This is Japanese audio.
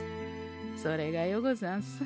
それがようござんす。